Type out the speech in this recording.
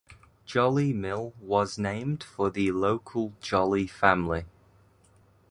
Jolly Mill was named for the local Jolly family.